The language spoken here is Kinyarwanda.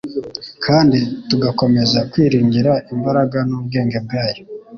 kandi tugakomeza kwiringira imbaraga n'ubwenge bwayo,